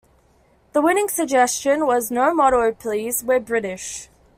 The winning suggestion was "No motto please, we're British".